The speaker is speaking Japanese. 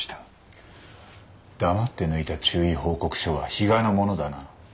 黙って抜いた注意報告書は比嘉のものだな。